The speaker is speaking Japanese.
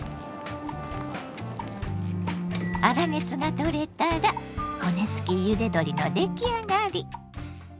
粗熱が取れたら骨付きゆで鶏の出来上がり！